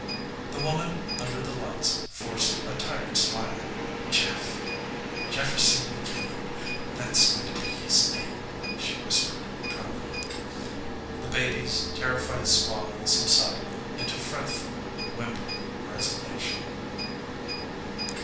The woman under the lights forced a tired smile. "Jeff. Jefferson McKinney. That's going to be his name," she whispered proudly. The baby's terrified squalling subsided into fretful, whimpering resignation.